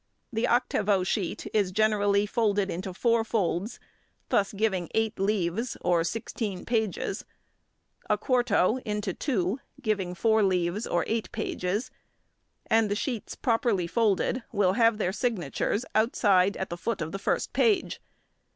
The octavo sheet is generally folded into 4 folds, thus giving 8 leaves or 16 pages; a quarto, into 2, giving 4 leaves or 8 pages, and the sheets properly folded, will have their signatures outside at the foot of the first page.